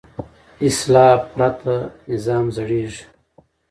اصلاح پرته نظام زړېږي